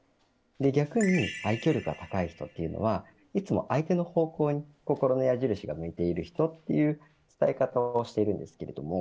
逆に愛嬌力が高い人はいつも相手の方向に心の矢印が向いている人という伝え方をしているんですけども。